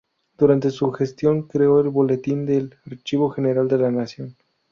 Durante su gestión creó el "Boletín del Archivo General de la Nación".